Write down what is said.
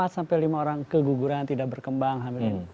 empat sampai lima orang keguguran tidak berkembang hampir ini